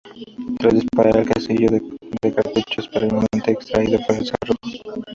Tras disparar, el casquillo del cartucho es parcialmente extraído por el cerrojo.